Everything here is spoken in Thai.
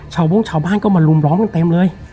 วงชาวบ้านก็มาลุมล้อมกันเต็มเลย